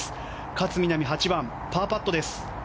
勝みなみ、８番、パーパット。